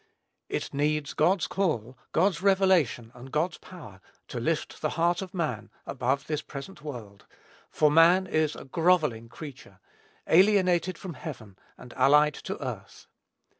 It needs God's call, God's revelation, and God's power, to lift the heart of man above this present world, for man is a grovelling creature, alienated from heaven, and allied to earth.